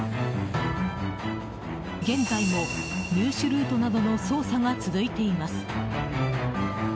現在も入手ルートなどの捜査が続いています。